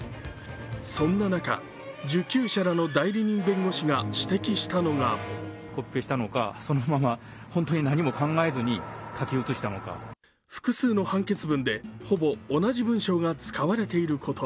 そんな中、受給者らの代理人弁護士が指摘したのが複数の判決文で、ほぼ同じ文章が使われていること。